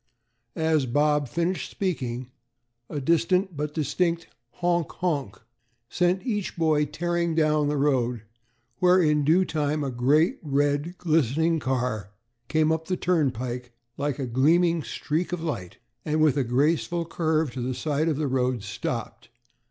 As Bob finished speaking, a distant but distinct "honk honk" sent each boy tearing down the road, where in due time a great, red, glistening car came up the turnpike like a gleaming streak of light, and, with a graceful curve to the side of the road, stopped.